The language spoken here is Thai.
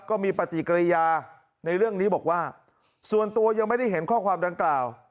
ก็มีปฏิกิริยาในเรื่องนี้บอกว่าส่วนตัวยังไม่ได้เห็นข้อความดังกล่าว